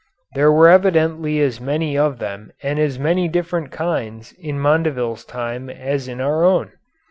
There were evidently as many of them and as many different kinds in Mondeville's time as in our own.